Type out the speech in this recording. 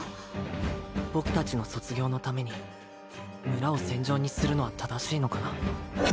僕達の卒業のために村を戦場にするのは正しいのかな？